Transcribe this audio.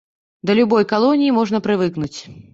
Да любой калоніі можна прывыкнуць.